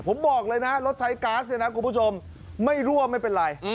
ผมบอกเลยนะรถใช้ก๊าซเนี่ยนะคุณผู้ชมไม่รั่วไม่เป็นไร